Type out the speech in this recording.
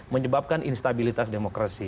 menyebabkan instabilitas demokrasi